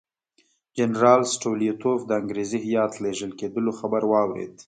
جنرال سټولیتوف د انګریزي هیات لېږل کېدلو خبر واورېد.